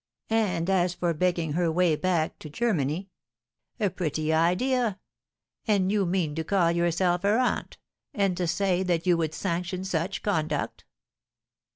And, as for begging her way back to Germany a pretty idea! And you mean to call yourself her aunt, and say that you would sanction such conduct?'